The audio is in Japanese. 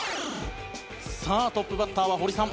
さあトップバッターはホリさん。